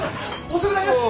遅くなりました。